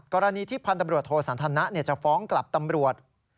กรณีที่พันธบรวจโทสันทนะจะฟ้องกลับตำรวจ